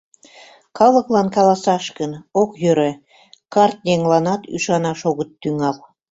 Калыклан каласаш гын, ок йӧрӧ: карт еҥланат ӱшанаш огыт тӱҥал.